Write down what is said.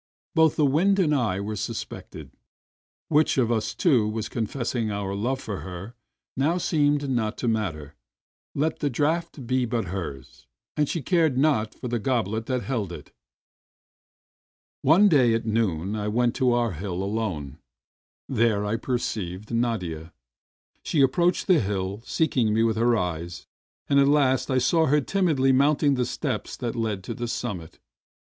Both the wind and I were suspected; which of us two was confessing our love for her now seemed not to matter; let the draught but be hers, and she cared not for the goblet that held it ! One day, at noon, I went to our hill alone. There I perceived Nadia. She approached the hill, seeking me with her eyes, and at last I saw her timidly mount ing the steps that led to the summit.